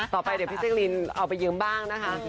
ต่อไปเดี๋ยวพี่แจ๊กรีนเอาไปยืมบ้างนะคะ